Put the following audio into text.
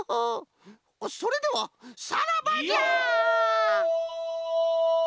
それではさらばじゃ！